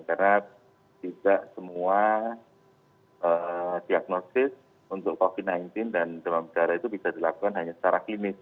karena tidak semua diagnosis untuk covid sembilan belas dan demam berdarah itu bisa dilakukan hanya secara klinis